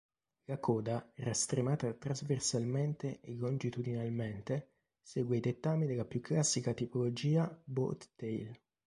La coda, rastremata trasversalmente e longitudinalmente, segue i dettami della più classica tipologia "boat-tail".